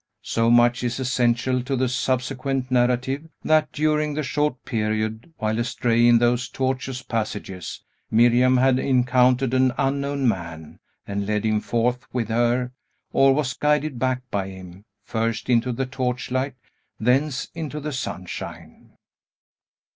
So much is essential to the subsequent narrative, that, during the short period while astray in those tortuous passages, Miriam had encountered an unknown man, and led him forth with her, or was guided back by him, first into the torchlight, thence into the sunshine.